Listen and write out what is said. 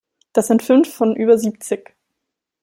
Das sind fünf von über siebzig.